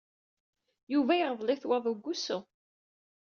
Yuba yeɣḍel-it waḍu deg wusu.